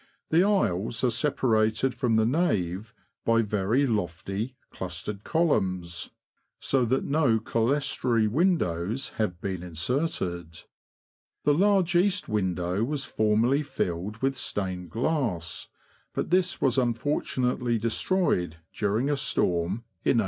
The aisles are separated from the nave by very lofty, clustered columns, so that no clerestory windows have been inserted. The large east window was formerly filled with stained glass, but this was unfortunately destroyed, during a storm, in 1809.